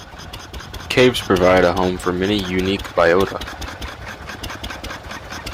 Caves provide a home for many unique biota.